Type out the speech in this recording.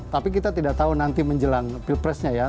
tapi kita tidak tahu nanti menjelang pilpresnya ya